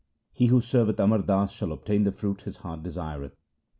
He who serveth Amar Das shall obtain the fruit his heart desireth.